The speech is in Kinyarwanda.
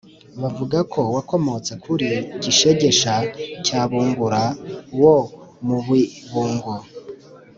bavuga ko wakomotse kuri Gishegesha cya Bungura wo mu Bibungo